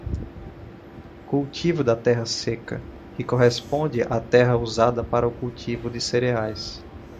Cultivo da terra seca, que corresponde à terra usada para o cultivo de cereais.